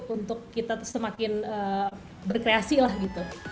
untuk kita semakin berkreasi lah gitu